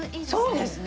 そうですね。